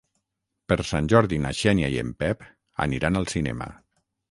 Per Sant Jordi na Xènia i en Pep aniran al cinema.